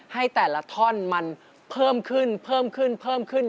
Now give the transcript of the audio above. ให้แต่ละท่อนมันเพิ่มขึ้น